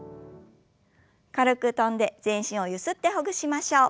軽く跳んで全身をゆすってほぐしましょう。